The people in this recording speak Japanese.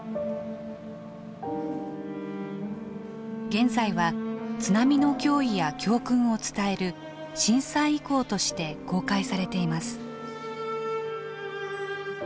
現在は津波の脅威や教訓を伝える震災遺構として公開されています。